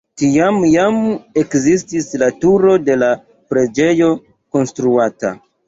Tiam jam ekzistis la turo de la preĝejo konstruata.